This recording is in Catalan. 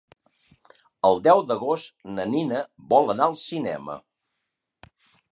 El deu d'agost na Nina vol anar al cinema.